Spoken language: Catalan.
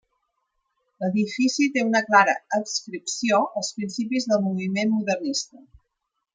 L'edifici té una clara adscripció als principis del moviment modernista.